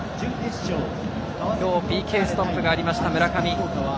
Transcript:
今日、ＰＫストップがありました村上。